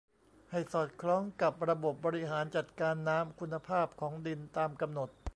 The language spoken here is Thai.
ให้สอดคล้องกับระบบบริหารจัดการน้ำคุณภาพของดินตามกำหนด